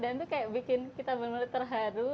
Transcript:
dan itu kayak bikin kita benar benar terharu